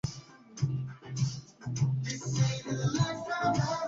Ambos salen de inmediato a la base, avisando al Estado Mayor de la situación.